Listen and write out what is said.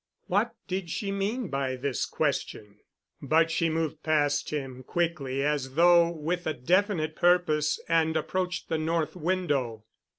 What did she mean by this question? But she moved past him quickly as though with a definite purpose, and approached the north window.